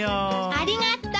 ありがとう！